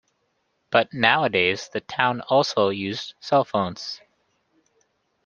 But nowadays the town also used cellphones.